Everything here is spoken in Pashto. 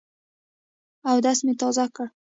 اودس مي تازه کړ .